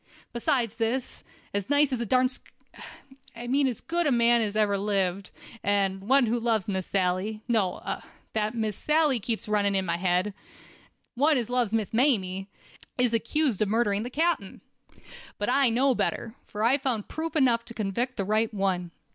Besides this, as nice a darn sk— I mean as good a man as ever lived, and one who loves Miss Sally—no—that Miss Sally keeps running in my head—one as loves Miss Mamie, is accused of murdering the captain. But I know better, for I found proof enough to convict the right one.